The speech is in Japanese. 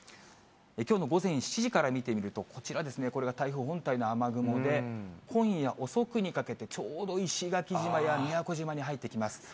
きょうの午前７時から見てみると、こちらですね、これが台風本体の雨雲で、今夜遅くにかけて、ちょうど石垣島や宮古島に入ってきます。